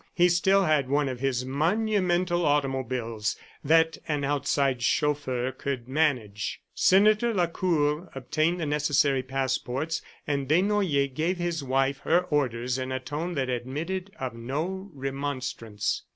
He still had one of his monumental automobiles that an outside chauffeur could manage. Senator Lacour obtained the necessary passports and Desnoyers gave his wife her orders in a tone that admitted of no remonstrance.